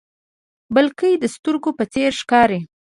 بلکې د سترګو په څیر ښکاري.